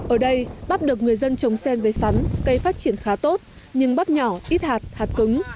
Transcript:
ở đây bắp được người dân trồng sen với sắn cây phát triển khá tốt nhưng bắp nhỏ ít hạt hạt cứng